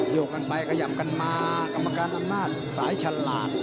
โยกกันไปขยับกันมากรรมการอำนาจสายฉลาด